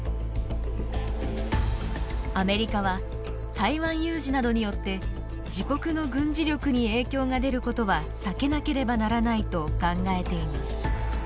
アメリカは台湾有事などによって自国の軍事力に影響が出ることは避けなければならないと考えています。